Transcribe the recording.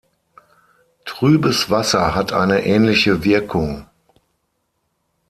Trübes Wasser hat eine ähnliche Wirkung.